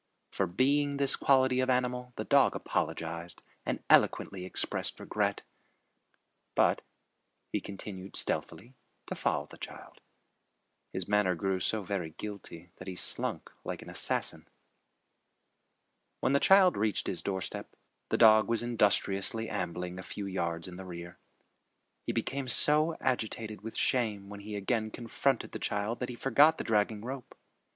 For being this quality of animal the dog apologized and eloquently expressed regret, but he continued stealthily to follow the child. His manner grew so very guilty that he slunk like an assassin. When the child reached his doorstep, the dog was industriously ambling a few yards in the rear. He became so agitated with shame when he again confronted the child that he forgot the dragging rope.